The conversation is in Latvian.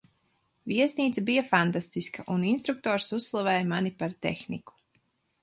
Viesnīca bija fantastiska, un instruktors uzslavēja mani par tehniku.